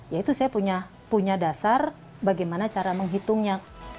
ya itu saya punya dasar bagaimana cara menghitungnya